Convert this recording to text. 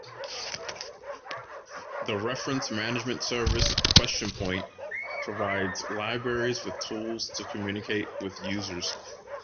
The reference management service QuestionPoint provides libraries with tools to communicate with users.